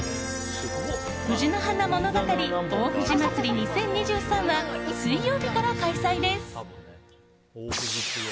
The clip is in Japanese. ふじのはな物語大藤まつり２０２３は水曜日から開催です。